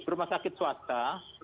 rumah sakit swasta